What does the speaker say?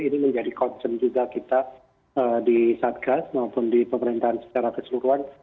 ini menjadi concern juga kita di satgas maupun di pemerintahan secara keseluruhan